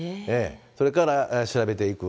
それから調べていく。